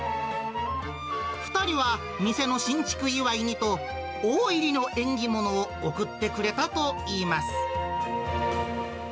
２人は、店の新築祝いにと、大入りの縁起物を贈ってくれたといいます。